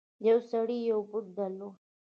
یو سړي یو بت درلود.